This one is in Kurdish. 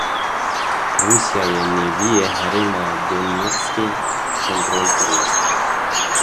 Rûsyayê nêviyê herêma Donetskê kontrol kiriye.